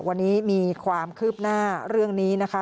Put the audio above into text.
วันนี้มีความคืบหน้าเรื่องนี้นะคะ